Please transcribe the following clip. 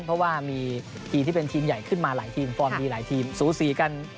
เพราะว่ามีทีมที่เป็นทีมใหญ่ขึ้นมาหลายทีมฟอร์มดีหลายทีมสูสีกัน